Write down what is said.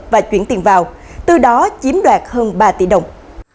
và chuyển tiền vào từ đó chiếm đoạt hơn ba tỷ đồng